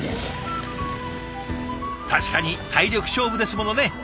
確かに体力勝負ですものね。